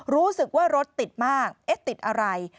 รู้สึกว่ารถติดมากเอ๊ะติดอะไร